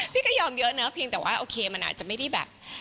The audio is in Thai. พี่ก็ยอมเยอะนะเพียงแต่ว่าโอเคมันอาจจะไม่ได้แบบ